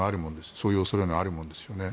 そういう恐れのあるものですよね。